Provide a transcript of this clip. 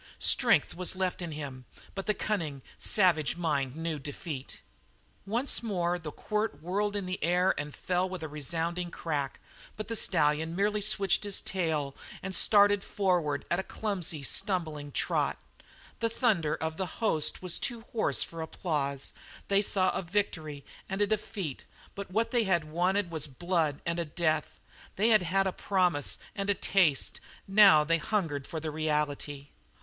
Strength was left in him, but the cunning, savage mind knew defeat. Once more the quirt whirled in the air and fell with a resounding crack, but the stallion merely switched his tail and started forward at a clumsy stumbling trot. The thunder of the host was too hoarse for applause; they saw a victory and a defeat but what they had wanted was blood, and a death. They had had a promise and a taste; now they hungered for the reality.